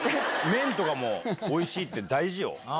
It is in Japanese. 麺とかもおいしいって大事よ。